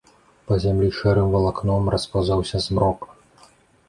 Па зямлі шэрым валакном распаўзаўся змрок.